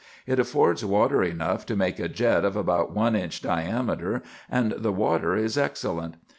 It affords water enough to make a jet of about one inch diameter, and the water is excellent.